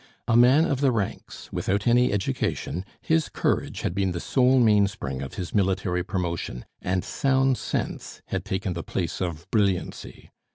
A man of the ranks, without any education, his courage had been the sole mainspring of his military promotion, and sound sense had taken the place of brilliancy.